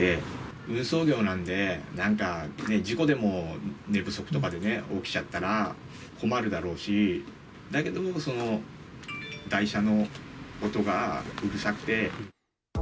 運送業なんで、なんか事故でも、寝不足とかで起きちゃったら困るだろうし、だけども、その台車の音がうるさくて。